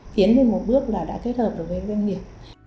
tiến lên một bước là đã kết hợp được với doanh nghiệp